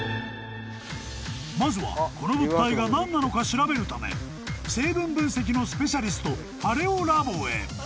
［まずはこの物体が何なのか調べるため成分分析のスペシャリストパレオ・ラボへ］